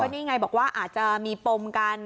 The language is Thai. นี่ไงบอกว่าอาจจะมีปมกัน